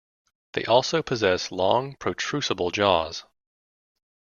They also possess long, protrusible jaws.